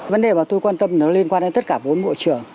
vấn đề mà tôi quan tâm nó liên quan đến tất cả bốn bộ trưởng